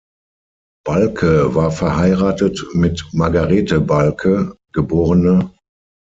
Balcke war verheiratet mit Margarete Balcke, geb.